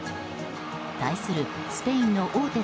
対するスペインの大手